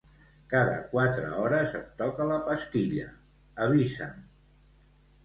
Cada quatre hores em toca la pastilla, avisa'm.